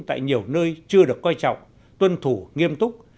tại nhiều nơi chưa được coi trọng tuân thủ nghiêm túc